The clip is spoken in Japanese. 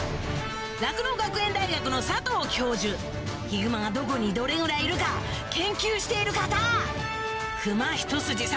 酪農学園大学の佐藤教授ヒグマがどこにどれぐらいいるか研究している方クマひと筋